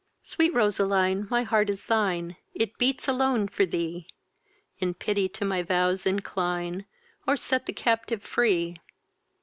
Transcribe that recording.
Sweet Roseline, my heart is thine, It beats alone for thee; In pity to my vows incline, Or set the captive free.